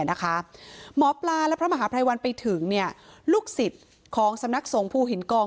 หมอปลาและพระมหาภัยวันไปถึงลูกศิษย์ของสำนักสงภูหินกอง